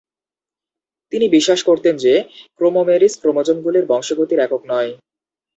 তিনি বিশ্বাস করতেন যে, ক্রোমোমেরিস ক্রোমোজমগুলির বংশগতির একক নয়।